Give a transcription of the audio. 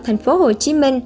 thành phố hồ chí minh